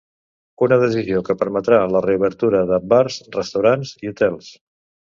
Una decisió que permetrà la reobertura de bars, restaurants i hotels.